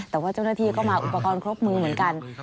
แต่ว่าเจ้าหน้าที่ก็มาอุปกรณ์ครบมือเหมือนกัน